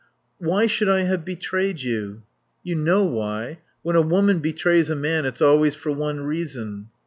"Why should I have betrayed you?" "You know why. When a woman betrays a man it's always for one reason."